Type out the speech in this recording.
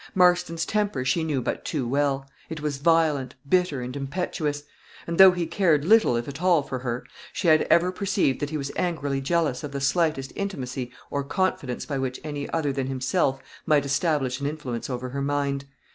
Marston's temper she knew but too well; it was violent, bitter, and impetuous; and though he cared little, if at all, for her, she had ever perceived that he was angrily jealous of the slightest intimacy or confidence by which any other than himself might establish an influence over her mind.